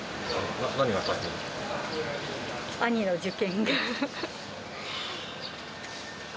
兄の受験が。